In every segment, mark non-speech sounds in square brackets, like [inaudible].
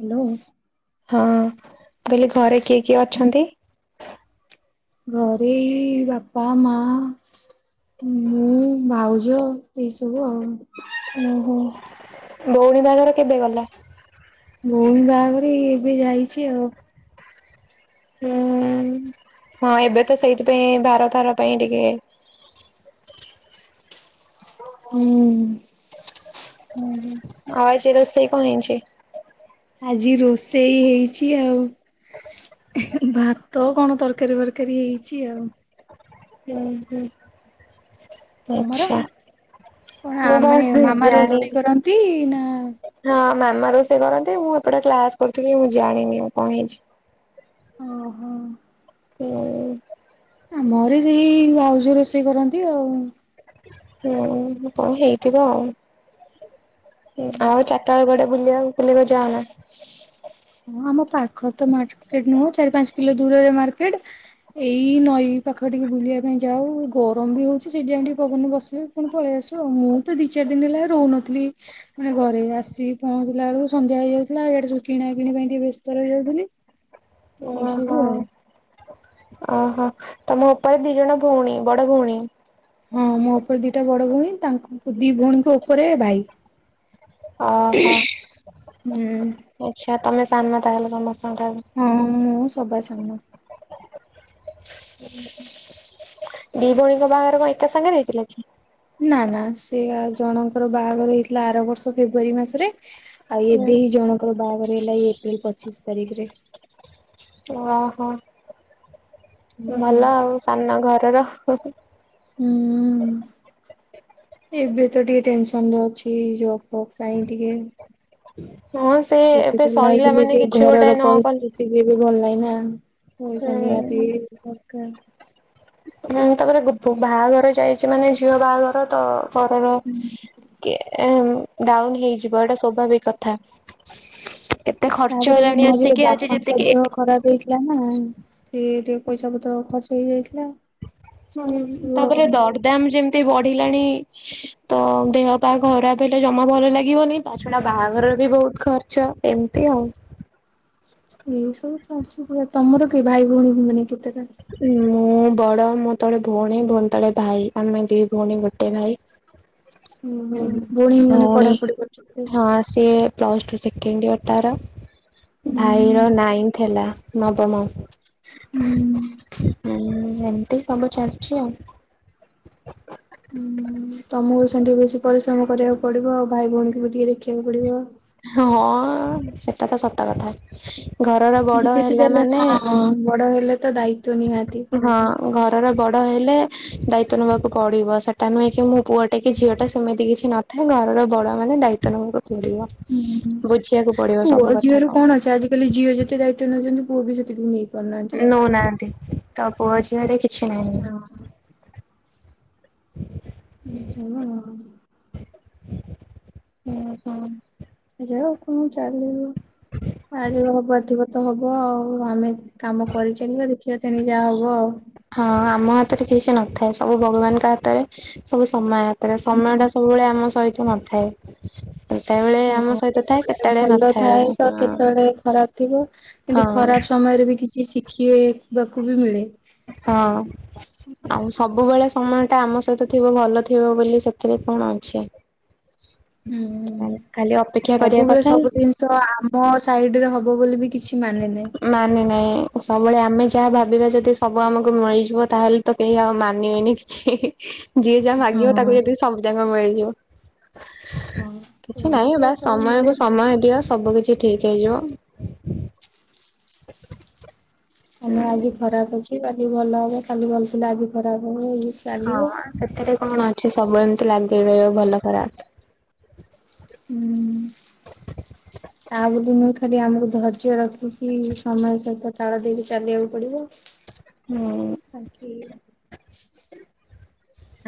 Hello. ହଁ କହିଲି ଘରେ କିଏ କିଏ ଅଛନ୍ତି? ଘରେ ଏଇ ବାପା ମା। ମୁଁ ଭାଉଜ ଏଇ ସବୁ ଆଉ। ଉଁ ହୁଁ ଭଉଣୀ ବାହାଘର କେବେ ଗଲା? ଭଉଣୀ ବାହାଘର ଏଇ ଏବେ ଯାଇଛି ଆଉ। ହୁଁ ହଁ ଏବେ ତ ସେଇଥିପାଇଁ ଭାର ଫାର ପାଇଁ ଟିକେ ହୁଁ। ଉଁ ହୁଁ ଆଉ ଆଜି ରୋଷେଇ କଣ ହେଇଛି? ଆଜି ରୋଷେଇ ହେଇଛି ଆଉ ହେଁ ଭାତ କଣ ତରକାରୀ ଫରକାରୀ ହେଇଛି ଆଉ। ହୁଁ ହୁଁ। ତମର ଆଚ୍ଛା କଣ ଆ ମୁଁ ବା ମାନେ ମାମା ରୋଷେଇ ଜାଣିନି। କରନ୍ତି ନା ହଁ ମାମା ରେଷେଇଲ କରନ୍ତି ମୁଁ ଏପଟେ କ୍ଲାସ କରୁଥିଲି ମୁଁ ଜାଣିନି ଆଉ କଣ୍ ହେଇଚି। ଓହୋ। ହୁଁ। ଆମ ଅରେ ସେଇ ଭାଉଜ ରୋଷେଇ କରନ୍ତି ଆଉ ହୁଁ କଣ୍ ହେଇଥିବ ଆଉ ହୁଁ ଆଉ ଚାରିଟା ବେଳ କୁଆଡେ ବୁଲିଆକୁ ଫୁଲିବାକୁ ଯାଅନା ହଁ ଆମ ପାଖ ତ ମାର୍କେଟ ନୁହଁ ଚାରି ପାଞ୍ଚ କିଲ ଦୂରରେ ମାର୍କେଟ ଏଇ ନଈ ପାଖ ଟିକ ବୁଲିବା ପାଇଁ ଯାଉ ଗରମ ବି ହଉଛି ସେଇଟି ପାଇଁ ଟିକେ ପବନରେ ବସିଲୁ ଫୁଣି ପଳେଇ ଆସୁଚୁ ଆଉ ମୁଁ ବି ଦି ଚାରି ଦିନ ହେଲା ରହୁନଥିଲି। ମାନେ ଘରେ ଆସିକି ପହଞ୍ଚିଲା ବେଳକୁ ସନ୍ଧ୍ୟା ହେଇଯାଉ ଥିଲା ଇଆଡେ ସବୁ କିଣା କିଣି ପାଇଁ ଟିକେ ବ୍ୟସ୍ତ ରହି ଯାଉଥିଲି ଏଇ ଓହୋ। ସବୁ ଆଉ। ଓହୋ। ତମ ଉପରେ ଦି ଜଣ ଭଉଣୀ ବଡ ଭଉଣୀ। ହଁ ମୋ ଉପରେ ଦିଟା ବଡ ଭଉଣୀ ତାଙ୍କ ଦି ଭଉଣୀଙ୍କ ଉପରେ ଭାଇ। ଓହୋ। ହୁଁ। ଆଚ୍ଛା ତମେ ସାନ ନା ତାହେଲେ ସମସ୍ତଙ୍କଠାରୁ। ହଁ ମୁଁ ସବା ସାନ। [inaudible] ଦି ଭଉଣୀଙ୍କ ବାହାଘର କଂ ଏକା ସାଙ୍ଗରେ ହେଇଥିଲା କି? ନା ନା ସେ ଆ ଜଣଙ୍କର ବାହାଘର ହେଇଥିଲା ଆର ବର୍ଷ ଫେବୃୁଆରୀ ମାସରେ ଆଉ ହୁଁ ଏବେ ହିଁ ଜଣଙ୍କର ବାହାଘର ହେଲା ଏଇ ଏପ୍ରିଲ ପଚିଶି ତାରିଖରେ। ହଁ ହଁ। ଭଲ ଆଉ ସାନ ଘରର। ହୁଁଉଁ। ଏବେ ତ ଟିକିଏ ଟେନସନ ରହୁଛି ଏ ଜଵ୍ ଫବ୍ ପାଇଁ ଟିକିଏ। ହଁ ସେ ଏବେ ସରିଲା ହେଇଗଲେ ମାନେ ଟିକେ କିଛି ଘରର ଗୋଟାଏ ନ କଲେ ପରିସ୍ଥିତି ବି ଭଲ ଲାଗେନା ପଇସା ନିହାତି ହୁଁ। ଦରକାର। ହୁଁ ତାପରେ ଗୁ ଫୁ ବାହାଘର ଯାଇଛି ମାନେ ଝିଅ ବାହାଘର ତ ଘରର କେ ଏ ଡାଉନ ହେଇଯିବ ଏଇଟା ସ୍ୱାଭାବିକ କଥା। ଏତେ ଖର୍ଚ୍ଚ ତାପରେ ଏଇ ହେଲାଣି ମଝିରେ ଆସିକି ଆଜି ବାପାଙ୍କ ଯେତିକି ଦେହ ଖରାପ ହେଇଥିଲା ନା ସେଏ ଟିକେ ପଇସା ପତ୍ର ଖର୍ଚ୍ଚ ହେଇଯାଇଥିଲା। ହୁଁ ତାପରେ ଦଡ୍ ଦାମ ଯେମିତି ବଢିଲାଣି ତ ଦେହ ପା ଖରାପ ହେଲେ ଜମା ଭଲ ଲାଗିବନି। ତା ଛଡା ବାହାଘରରେ ବି ବହୁତ ଖର୍ଚ୍ଚ ଏମିତି ଆଉ। ଏଇ ସବୁ ତ ଅଛି ପୁରା ତମର କେ ଭାଇ ଭଉଣୀ ମାନେ କେତେଟା? ମୁଁ ବଡ ମୋ ତଳେ ଭଉଣୀ ଭଉଣୀ ତଳେ ଭାଇ ଆମେ ଦି ଭଉଣୀ ଗୋଟେ ଭାଇ। ହୁଁ ହୁଁ ମାନେ ଭଉଣୀ ପଢାପଢି କରୁଛନ୍ତି ହଁ ସିଏ ପ୍ଲସ୍ ଟୁ ସେକେଣ୍ଡ ଇୟର ତାର। ହୁଁ ଭାଇର ନାଇଁଥି ହେଲା ନବମ। ହୁଁ ହୁଁ ଏମତି ସବୁ ଚାଲିଛି ଆଉ। ହୁଁ ତମକୁ ସେମିତି ବେଶୀ ପରିଶ୍ରମ କରିଆକୁ ପଡିବ ଆଉ ଭାଇ ଭଉଣୀଙ୍କୁ ବି ଟିକେ ଦେଖିବାକୁ ପଡିବ। ହଁ ସେଟା ତ ସତ କଥା। ଘରର ବଡ ଯେତେ ହେଲା ଯାହେଲେ ମାନେ ହଁ ବଡ ହେଲେ ତ ଦାୟିତ୍ଵ ନିହାତି। ହଁ। ଘରର ବଡ଼ ହେଲେ ଦାୟିତ୍ୱ ନବାକୁ ପଡିବ ସେଟା ନୁହେଁ କି ମୁଁ ପୁଅଟେ କି ଝିଅଟା ସେମିତି କିଛି ନଥାଏ ଘରର ବଡ ମାନେ ଦାୟିତ୍ଵ ନବାକୁ ପଡ଼ିବ ହୁଁ ବୁଝିବାକୁ ପଡ଼ିବ ସବୁ କଥା କଣ। ମୁକହିଲି ଝିଅ ଯେତେ ଦାୟିତ୍ୱ ନଉଚନ୍ତି ପୁଅବି ସେତିକି ନେଇ ପାରୁନାହାନ୍ତି। ନଉନାହାନ୍ତି ତପୁଅ ଝିଅରେ କିଛି ନାହିଁ। ହଁ। ଶୁଣ। ହୁଁ ହଁ। ଯାଉ କଣ ଚାଲିବ ଆଯେବେ ହବାର ଥିବତ ହବ ଆଉ ଆମେ କାମ କରିଚାଲିବା ଦେଖିବା ତେଣିକି ଯାହା ହବ ଆଉ। ହଁ ଆମ ହାତରେ କିଛି ନଥାଏ ସବୁ ଭଗବାନଙ୍କ ହାତରେ ସବୁ ସମୟ ହାତରେ ସମୟ ହୁଁ। ଟା ସବୁବେଳେ ଆମ ସହିତ ନଥାଏ। କେତେବେଳେ ଆମ ହଁ ସହିତ ଥାଏ କେତେବେଳେ ଭଲ ନଥାଏ ଥାଏତ ହଁ। କେତେବେଳେ ଖରାପ୍ ଥିବ। କିନ୍ତୁ ହଁ ଖରାପ୍ ସମୟରେବି କିଛି ଶିଖିବାକୁବି ମିଳେ। ହଁ। ଆଉ ସବୁବେଳେ ସମୟଟା ଆମ ସହିତ ଥିବ ଭଲ ଥିବ ବୋଲି ସେଥିରେ କଣ ଅଛି। ଖାଲି ହୁଁ ଅପେକ୍ଷା କରିବା ସବୁବେଳେ କଥା ସବୁ ଜିନି ସ ଆମ ସାଇଟିରେ ହବ ବୋଲିବି କିଛି ମାନେ ନାହିଁ। ମାନେ ନାହିଁ ସବୁବେଳେ ଆମେ ଯାହା ଭାବିବା ଯଦି ସବୁ ଆମକୁ ମିଳିଯିବ ତାହେଲେ ତ କେହି ଆଉ ମାନିବେନି କିଛି ଯିଏ ଯାହା ମାଗିବ ହଁ। ତାକୁ ଯଦି ସବୁ ଯାକ ମିଳିଯିବ। ହଁ। କିଛି ନାହିଁ ସେମିତି ଆଉ ବାସ୍ ସବୁ ମିଳେ ସମୟକୁ ନା। ସମୟ ଦିଅ ସବୁ କିଛି ଠିକ୍ ହେଇଯିବ। [inaudible] ସମୟ ହୁଁ ଆଜି ଖରାପ୍ ଅଛି କାଲି ଭଲ ହବ କାଲି ଭଲ ଥିଲେ ଆଜି ଖରାପ୍ ହବ ଇଏ ହଁ ସେଥିରେ କଣ ଅଛି ସବୁ ଏମିତି ଲାଗି ରହିବ ଭଲ ଖରାପ୍। ହୁଁ। [inaudible] ତା ବୋଲି ନୁହଁ ଖାଲି ଆମକୁ ଧୈର୍ଯ୍ୟ ରଖିକି ସମୟ ସହିତ ତାଳ ଦେଇକି ଚାଲିବାକୁ ପଡ଼ିବ। ହୁଁ। ବାକି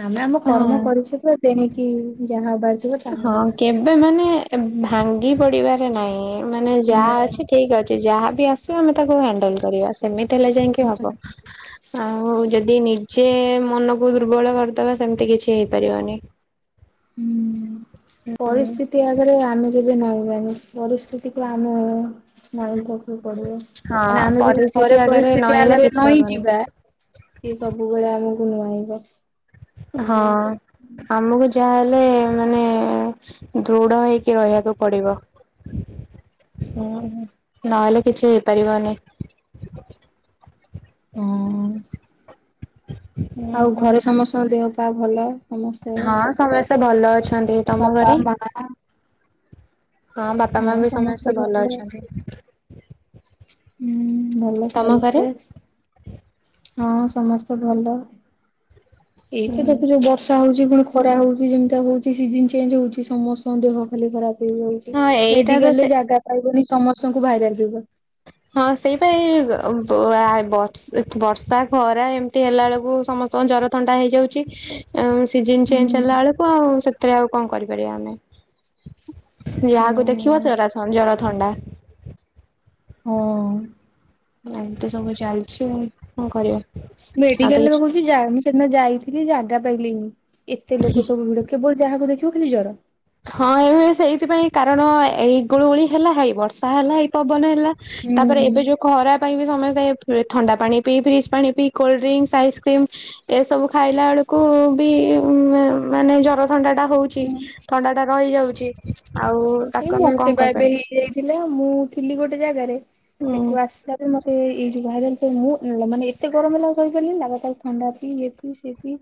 ଆମେ ଆମ କର୍ମ ହଁ। କରିଜିବା ତେଣିକି ଯାହା ହବାର ଥିବ ତାହା ହଁ ହବ। କେବେ ମାନେ ଭାଙ୍ଗି ପଢ଼ିବାରେ ନାହିଁ ମାନେ ଯାହା ନାଇଁ ଅଛି ଠିକ୍ ଅଛି। ସେ ଯାହାବି ଆସିବ ଆମେ ତାକୁ ହ୍ୟାଣ୍ଡେଲ୍ କରିବା। ସେମିତି ହେଲେ ଯାଇକି ହବ ଆଉ ଯେଦି ନି ଯେ ମନକୁ ଦୁର୍ବଳ କରିଦବା ସେମିତି କିଛି ହେଇପାରିବନି। ହୁଁ ପରିସ୍ଥିତି ଆଗରେ ଆମେ କେବେ ନଇଁବାନି ପରିସ୍ଥିତିକୁ ଆମେ ନଇଁବାକୁ ପଡ଼ିବ। ହଁ କାହିଁକିନା ଆମେ ଯଦି ପରିସ୍ଥିତି ଥରେ ଆଗରେ ପରିସ୍ଥିତି ନହେଲେ ଆଗରେ କିଛି ନଇଁ ହବନି। ଯିବା ସିଏ ସବୁବେଳେ ଆମକୁ ନୁଆଁଇବ। ହଁ ସେଇଆ ହଉଛି ଆମକୁ ଯ ଯାହଲେ ମାନେ ଦୃଢ ହେଇକି ରହିବାକୁ ପଡ଼ିବ। ହୁଁ ନହେଲେ କିଛି ହେଇପାରିବନି। ହଁ‌। ହୁଁ ଆଉ ହୁଁ ଘରେ ସମସ୍ତଙ୍କ ଦେହ ପା ଭଲ। ସମସ୍ତେ ହଁ ସମସ୍ତେ ଭଲ ଅଛନ୍ତି ତମ ବାପା ଘରେ? ମା। ହଁ ବାପା ମାବି ସମସ୍ତେ ଭଲ ଅଛନ୍ତି। ହୁଁ ଭଲ ତମ ଘରେ? ସମସ୍ତେ ହଁ ସମସ୍ତେ ଭଲ ଏଇ ତ ହୁଁ ଦେଖୁଛ ବ ବର୍ଷା ହଉଛି ପୁଣି ଖରା ହଉଛି ଯେମିତାଆ ହଉଛି ସିଜନ୍ ଚେଞ୍ଜ ହଉଛି ସମସ୍ତଙ୍କ ଦେହ ଖାଲି ଖରାପ ହ ହଁ ଏଇଟା ତ ମେଡିକାଲ ରେ ସେ ଜାଗା ପାଇବନି ସମସ୍ତଙ୍କୁ ଭାଇରାଲ ଯିବ। ହଁ ସେଇପାଇ ଗ ବ ଆ ବ ଏଠି ବର୍ଷା ଖରା ଏମିତି ହେଲା ବେଳକୁ ସମସ୍ତଙ୍କ ଜର ଥଣ୍ଡା ହେଇଯାଉଛି। ଏଁ ସିଜିନ ଚେଞ୍ଜ ହୁଁ। ହେଲାବେଳକୁ ଆଉ ସେଥିରେ ଆଉ କଣ କରିପାରିବା ଆମେ। ଯାହାକୁ ଦେଖିବ ଓହୋ ଜରା ଥ ଜର ଥଣ୍ଡା। ହଁ। ଏମିତି ସବୁ ଚାଲିଛି କଣ କରିବା। ଆଉ ତ ମେଡିକାଲରେ ପା କିଛି କହୁଛି ଯା ମୁଁ ସେଦିନ ଯାଇଥିଲି ଜାଗା ପାଇଲିନି ଏତେ ଲୋକ ସବୁ ଭିଡ। କେବଳ ଯାହାକୁ ଦେଖିବ ଖାଲି ଜର। ହଁ ଏ ହୁଏ ସେଇଥିପାଇଁ କାରଣ ଏଇ ଗୁଳୁଗୁଳି ହେଲା ହେଇ ବର୍ଷା ହେଲା ହେଇ ପବନ ହେଲା। ତାପରେ ଏବେ ଯୋଉ ଖରାପ ପାଇଁ ବି ସମୟ ଥଣ୍ଡା ପାଣି ପିଇ ଫ୍ରିଜ୍ ପାଣି ପିଇ କୋଲଡ୍ରିଙ୍କ୍ସ୍ ଆଇସ୍କ୍ରିମ୍। ଏସବୁ ଖାଇଲା ବେଳକୁ ବି ଉ ମା ମାନେ ଜର ଥଣ୍ଡା ଟା ହଉଛି। ଚି ହୁଁ। ଥଣ୍ଡା ଟା ରହିଯାଉଛି ଆଉ ତାକୁ ଆମେ କଣ କରିପାରିବା। ଥିଲା ମୁଁ ଥିଲି ଗୋଟେ ଜାଗାରେ ହୁଁ ସେଠୁ ଆସିଲା ପରେ ମତେ ବାହାରେ ମୁଁ ମାନେ ଏତେ ଗରମ ହେଲା ସହିପାରିଲିନି ନା ଲାଗାତାର ଥଣ୍ଡା ପି ଇଏ ପି ସିଏ ପି।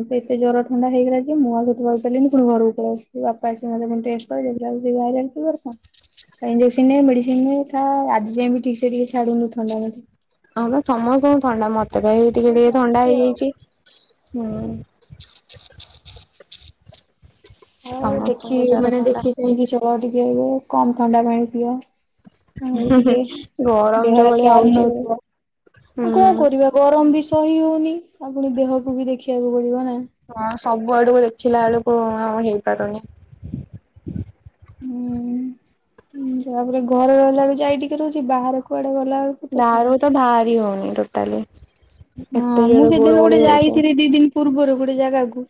ଏ ଏତେ ଜର ଥଣ୍ଡା ହେଇଗଲା ଯେ ମୁଁ ଆଉ ସେଠି ରହିପାରିଲିନି ପୁଣି ଘରକୁ ପଳେଇ ଆସିଲି। ବାପା ଆସି ମତେ ଫୁଣି ଟେଷ୍ଟ‌ କଲେ କହିଲା ହୋଉଛି ଭାଇରାଲ ଫିବର୍ ଆଉ କଣ। ଆ ଇଞ୍ଜକ୍ସନ ନେ ମେଡିସିନ ନ ଆଜି ଯାଏ ବି ଠିକସେ ଟିକେ ଛାଡୁନୀ ଥଣ୍ଡା ମତେ। ହଁ ପା ସମସ୍ତଙ୍କୁ ଥଣ୍ଡା ମତେ ପା ହେଇ ଟିକେ ଏମିତି ଟିକେ ଥଣ୍ଡା ଚାଲିଛି ଆଉ। ହେଇଯାଇଛି ହୁଁ। ହଉ ଦେଖି ସମସ୍ତଙ୍କୁ ଜର ମାନେ ଥଣ୍ଡା ଦେଖି ଚାହିଁକି ଚଳ ଟିକେ ଏବେ କମ ଥଣ୍ଡା ପାଣି ପିଅ। ଆଉ ହୁଁ ହୁଁ ଟିକେ ଗରମ ଯୋଉ ଦେହର ଭଳିଆ ଖିଆଲ୍ ହଉଛି ହୁଁ ନୋଉଥିବ। କଣ କରିବା ଗରମ ବି ସହି ହଉନି ପୁଣି ଣ ଦେହକୁ ବି ଦେଖିବାକୁ ପଡିବ ନା। ହଁ ସବୁ ଆଡକୁ ଦେଖିଲା ବେଳକୁ ଆଉ ହେଇପାରୁନି। ହୁଁ ତାପରେ ଘରେ ରହିଲା ବି ଯାଇ ଟିକେ ରହୁଛି ବାହାର କୁଆଡେ ଗଲାବେଳୁ ବାହାରକୁ ତ ବାହାରି ହେଉନି ଟୋଟାଲେ। ହଁ ମୁଁ ସେଦିନ ଗୋଟେ ଯାଇଥିଲି ଦି ଦିନ। ପୂର୍ବରୁ ଗୋଟେ ଜାଗାକୁ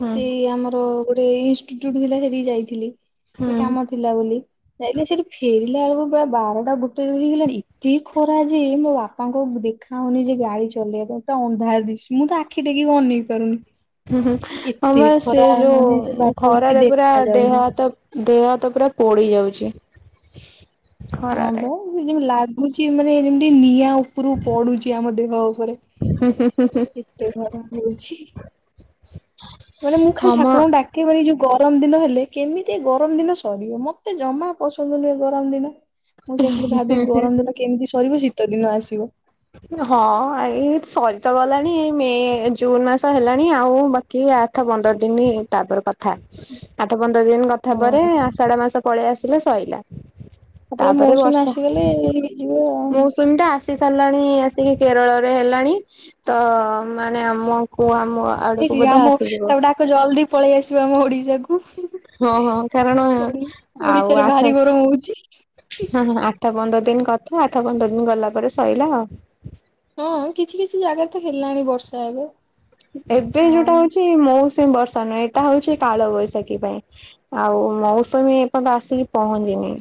ହୁଁ ସେଇ ଆମର ଗୋଟେ ଇନଷ୍ଟିୁଟୁଟ ଥିଲା ସେଠିକି ଯାଇଥିଲି। ହୁଁ ସେ କାମ ଥିଲା ବୋଲି। ନାଇଁ ସେଠି ଫେରିଲା ବେଳକୁ ପ ବାରଟା ଗୋଟେ ହେଇଗଲାଣି ଏତେ ଖରା ଯେ ମୋ ବାପାଙ୍କ ଦେଖା ଆଉନି ଯେ ଗାଡି ଚଲେଇବା ପାଇଁ ପୁରା ଅନ୍ଧାର ଦିଶ ମୁଁ ତ ଆଖି ଟେକିକି ଅନେଇ ପାରୁନି। ହୁଁ ହୁଁ ଏତେ ଆମର ସେ ଖରା ମାନେ ଯୋଉ ବାଟରେ କିଛି ଖରାରେ ପୁରା ଦେଖା ଦେହ ଯାଉନି। ହାତ ଦେହ ହାତ ପୁରା ପୋଡି ଯାଉଛି। ହଁ ଖରାରେ ବା ଯେନ୍ତି ଲାଗୁଛି ମାନେ ଯେମତି ନିଆଁ ଉପ୍ ପରୁ ପଡୁଛି ଆମ ଦେହ ଉପରେ ଏତେ ଖରା ହଉଛି। ମାନେ ମୁଁ ଖାଲି ହଁ ମ ଠାକୁରଙ୍କୁ ଡାକ କେ ଯୋଉ ଗରମ ଦିନ ହେଲେ କେମିତି ଏ ଗରମ ଦିନ ସରିବ ମତେ ଜମା ପସନ୍ଦ ନୁହେ ଏ ଗରମ ଦିନ। ମୁଁ ସେଇ କିଲି ଭାବେ ଗରମ ଦିନ କେମିତି ସରିବ ଶୀତ ଦିନ ଆସିବ। ହଁ ଏଇ ସରି ତ ଗଲାଣି ଏଇ ମେ ଜୁନ ମାସ ହେଲାଣି ଆଉ ବା କି ଆଠ ପନ୍ଦର ଦିନ ତାପର କଥା। ଆଠ ପନ୍ଦର ଦିନ କଥା ପରେ ହଁ ଆଷାଢ ମାସ ପଳେଇ ଆସିଲେ ସଇଲା। ତାପରେ ମୌସୁମୀ ଆସିଗଲେ ହେଇଯିବ ଆଉ। ଜୁନ୍ ଟା ଆସିସା ହେଲାଣି ଆସିକି କେରଳରେ ହେଲାଣି ତ ମାନେ ଆମକୁ ଆମ ଆଡକୁ ହେଇଛି ବୋଧେ ଆମ ଆସିଯିବ। ତାପ ଡାକ ଜଲଦି ପଳେଇ ଆସିବ ଆମ ଓଡିଶାକୁ। ହଁ ହଁ କାରଣ ଓଡ଼ି ଓଡିଶାରେ ଭାରି ଗରମ ହଉଛି। ହଁ ହଁ ଆଠ ପନ୍ଦର ଦିନ କଥା ଆଠ ପନ୍ଦର ଦିନ ଗଲା ପରେ ସଇଲା ଆଉ। ହଁ କିଛି କିଛି ଜାଗାରେ ତ ହେଲାଣି ବର୍ଷା ଏବେ। ଏବେ ଆଉ ଯୋଉଟା ହଉଛି ମୌସୁମୀ ବର୍ଷା ନୁହେଁ। ଏଇଟା ହଉଛି କାଳ ବୈଶାଖୀ ପାଇଁ। ଆଉ ମୌସୁମୀ ଏପର୍ଯ୍ୟନ୍ତ ଆସିକି ପହଞ୍ଚିନି।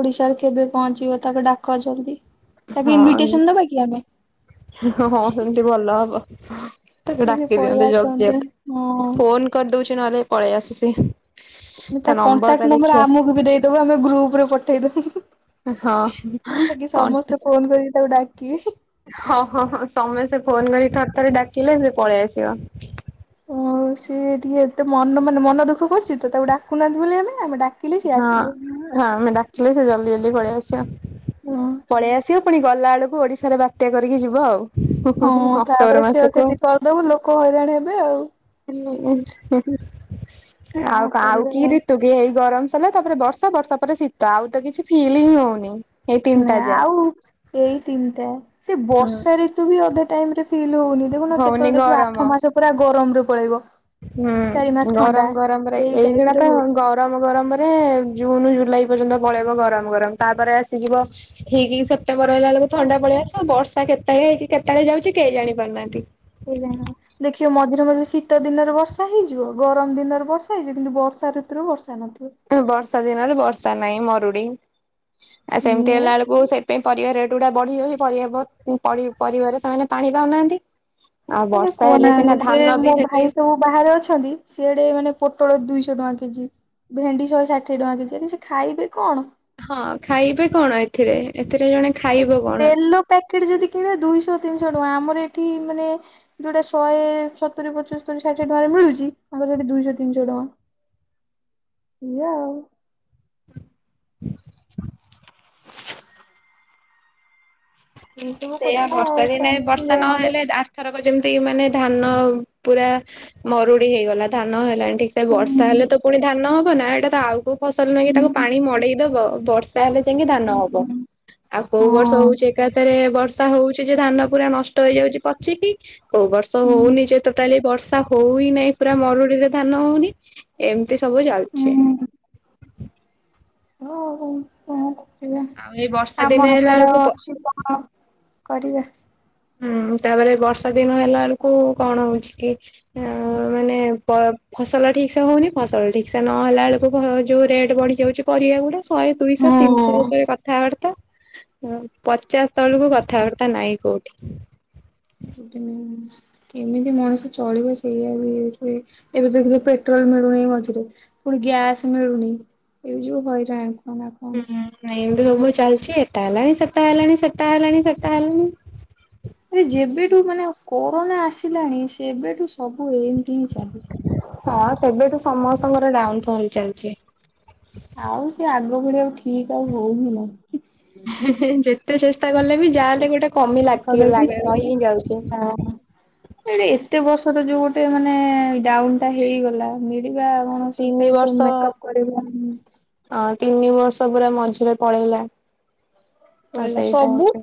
ଓଡିଶାରେ କେବେ ପହଞ୍ଚିବ ତାକୁ ଡାକ ଜଲଦି। ତାକୁ ଇନଭିଟେସନ ହଁ ଦବା କି ଆମେ। ହଁ ସେମିତି ଭଲ ହବ ତାକୁ ସେ ଡାକି ପଳେଇ ଦିଅନ୍ତେ ଜଲଦି ଜ ଆସନ୍ତା ହଁ। ଫୋନ୍। କରିଦଉଛି ନହେଲେ ପଳେଇ ଆସେ ସେ। ତା କଣ୍ଟାକ୍ଟ ନମ୍ବର ଆମକୁ ବି ଦେଇଦବୁ ଆମେ ଗ୍ରୁପରେ ପଠେଇଦବୁ। ହଁ ତା କିି କଣ୍ଟା ସମସ୍ତେ ଫୋନ କରିକି ତାକୁ ଡାକିବେ। ହଁ ହଁ ହଁ ସମସ୍ତେ ଫୋନ କରି ଥର ଥରେ ଡାକିଲେ ସେ ପଳେଇ ଆସିବ। ହଉ ସିଏ ଟିକେ ଏତେ ମନ ମାନେ ମନ ଦୁଃଖ କରୁଛି ତ ତାକୁ ଡାକୁନାହାନ୍ତି ବୋଲି ଆମେ ଆମେ ଡା ହଁ ହଁ ଆମେ ଡାକିଲେ ସେ ଜଲଦି ଜଲଦି ପଳେଇ ଆସିବ ହଁ ପଳେଇ ଆସିବ ପୁଣି। ଗଲା ବେଳକୁ ଓଡିଶାରେ ବାତ୍ୟା କରିକି ଯିବ ଆଉ। ହଁ ଅକ୍ଟୋବର ତାପରେ ମାସକୁ କ୍ଷୟକ୍ଷତି କରିଦବ ଲୋକ ହଇରାଣ ହେବେ ଆଉ। ହଁ କଣ ଆଉ କରିବା କି ରିତୁ। ହେଇ ଗରମ ସରିଲା ତାପରେ ବର୍ଷା ବର୍ଷା ପରେ ଶୀତ ଆଉ ତ କିଛି ଫିଲ ହିଁ ହଉନି। ଏଇ ତିନିଟା ନା ଯା ଆଉ ଏଇ ତିନିଟା ସେ ବର୍ଷା ଋତୁ ବି ଅଧା ଟାଇମ ରେ ଫିଲ୍ ହଉନି। ଦେଖୁନ ହଉନି କେତେବେଳେ ଦେଖିବ ଆଠ ଗରମ। ମାସ ପୁରା ଗରମରେ ପଳେଇବ। ହୁଁ ଚାରି ମାସ ଥଣ୍ଡା ଗରମ ଗରମରେ ଏଇ ଏଇଗୁଡା ଟାଇପ ର ତ ଗରମ। ହଉଛି। ଗରମ ଗରମରେ ଜୁନ ଜୁଲାଇ ପର୍ଯ୍ୟନ୍ତ ପଳେଇବ ଗରମ ଗରମ ତାପରେ ଆସିଯିବ ଠିକ ସେ ଅକ୍ଟବର ହେଲା ବଳକୁ ଥଣ୍ଡା ପଳେଇ ଆସିବ ବର୍ଷା କେତେବେଳେ ହେଇକି କେତେବେଳେ ଯାଉଛି କେହି ଜାଣିପାରୁନାହାନ୍ତି। ସେୟା ଦେଖିବ ମଝିରେ ମଝିରେ ଶୀତ ଦିନରେ ବର୍ଷା ହେଇଯିବ ଆଉ ଗରମ ଦିନରେ ବର୍ଷା ହେଇଯିବ କିନ୍ତୁ ବର୍ଷା ଋତୁରୁ ବର୍ଷା ନଥିବ। ବର୍ଷା ଦିନରେ ବର୍ଷା ନାହିଁ ମରୁଡି ଆ ସେମିତି ଏଇଆ ହେଲା ବେଳକୁ ସେଥ ପରିବା ରେଟ ଗୁଡା ବଢିଯାଉଛି ପର ପରିବରେ ସେମାନେ ପାଣି ପାଉନାହାନ୍ତି। ଆଉ ମାନେ ବର୍ଷା ହେଲେ କୁହନା ସିନା ସେ ଧାନ ବି ମୋ ସେଥିପାଇଁ ଭାଇ ସବୁ। ବାହାରେ ଅଛନ୍ତି ସିଆଡେ ମାନେ ପୋଟଳ ଦୁଇଶହ ଟଙ୍କା କେଜି। ଭେଣ୍ଡି ଶହେ ଷାଠିଏ ଟଙ୍କା କେଜି ଆରେ ସେ ଖାଇବେ କଣ। ହଁ ଖାଇବେ କଣ ଏଥିରେ ଏଥିରେ ଜଣେ ଖାଇବ କଣ ତେଲ ପ୍ୟାକେଟ ଯଦି କିଣିବେ ଦୁଇଶହ ତିନିଶହ ଟଙ୍କା ଆମର ଏଠି ମାନେ। ଯୋଉଟା ଶହେ ସତୁରି ପଚସ୍ତରି ଷାଠିଏ ଟଙ୍କାରେ ମିଳୁଛି ତାଙ୍କର ସେଠି ଦୁଇଶହ ତିନିଶହ ଟଙ୍କା। ବଢିଆ ଆଉ। ଏଇ ସବୁ ସେଇଆା କଥା ବର୍ଷା ଆଉ ଦିନେ ଚାଲିଛି ବର୍ଷା ଆଉ ନହେଲେ ଆରଥରକ ଯେମିତି ମାନେ ଧାନ ପୁରା। ମରୁଡି ହେଇଗଲା ଧାନ ହେଲାନି ଠିକ ସେ ବର୍ଷା ହେଲେ ତ ପୁଣି ଧାନ ହବ ନା ଏଇଟା ତ ଆଉ କୋଉ। ଫସଲ ନେଇକି ତାକୁ ପାଣି ମଡେଇଦବ ବର୍ଷା ହେଲେ ଯାଇକି ଧାନ ହବ। ଆଉ କୋଉ ବର୍ଷ ହଉଛି ଏକାଥରେ ବ ବର୍ଷା ହଉଛି ଯେ ଧାନ ପୁରା ନଷ୍ଟ ହେଇଯାଉଛି ପଚିକି କୋଉ ବର୍ଷ ହଉନି ଯେ ଟୋଟାଲି ବର୍ଷ। ସ ହଉ ହିଁ ନାହିଁ ପୁରା ମରୁଡି ରେ ଧାନ ହଉନି ଏମିତି ସବୁ ଚାଲିଛି। ହ ହଉ ହଁ। ଆ ଆଉ ଏଇ ବର୍ଷା ଆମ ଦିନେ ହେଲା ହାତରେ ଆଉ ବେଳକୁ ଅଛି କଣ କରିବା। ହୁଁ ତାପରେ ବର୍ଷା ଦିନ ହେଲା ବେଳକୁ କଣ ହଉଛି କି ଅ ମାନେ ଫସଲ ଠିକସେ ହଉନି ଫସଲ ଠିକସେ ନ ହେଲା ବେଳକୁ ଯୋଉ ରେଟ୍ ବଢିଯାଉଛି ପରିବା ଗୁଡା। ଶହେ, ଦୁଇଶହ, ତିନିଶହ ହଁ। ଉପରେ କ କଥାବାର୍ତ୍ତା, ପଚାଶ ତଳକୁ କଥାବାର୍ତ୍ତା ନାହିଁ କୋଉଠି। ଗୋଟେ ମିନିଟ କେମିତି ମଣିଷ ଚଳିବ ସେଇଆ ବି ଏବେ, ଏବେ ଦେଖ ପେଟ୍ରୋଲ ମିଳୁନି ମଝିରେ। ପୁଣ ଗ୍ୟାସ ମିଳୁନି, ଏବେ ଯୋଉ ହଇରାଣ। କହନା ହୁଁ କହନା। ନାଇଁ ଏମତି ସବୁ ଚାଲିଛି, ଏଟା ହେଲାଣି ସେଟା ହେଲାଣି ସେଟା ହେଲାଣି ସେଟା ହେଲାଣି। ଆରେ ଯେବେଠୁ ମାନେ କରୋନା ଆସିଲାଣି ସେବେଠୁ ସବୁ ଏମିତି ହିଁ ଚାଲିଛି। ହଁ ସେବେଠୁ ସମସ୍ତଙ୍କର ଡାଉନ ଫଲ ଚାଲିଛି। ଆଉ ସେ ଆଗ ଭଳି ଆଉ ଠିକ ଆଉ ହଉନି ନା। ହେଁ ହେଁ ଯେତେ ଚେଷ୍ଟା କଲେ ବି ଯାହାହେଲେ ଗୋଟେ କମି ଲାଗି କଲେବି ଲାଗି ରହିିଁ ହିଁ ଯାଉଛି। ଆଡେ ଏତେ ବର୍ଷ ତ ଯୋଉ ଗୋଟେ ମାନେ ଡାଉନ ଟା ହେଇଗଲା ଏଇବା କଣ ସୁତାକି ସବୁ ମେକପ୍ କରିବା ଉଁ ଅଁ ତିନି ବର୍ଷ ପୁରା ମଝିରେ ପଳେଇଲା, ତ ପଳେଇଲା ସେଇଟା ସବୁ ହଉଛି